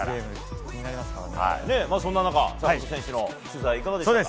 そんな中、坂本選手の取材いかがでしたか。